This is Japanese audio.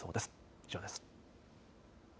以上です。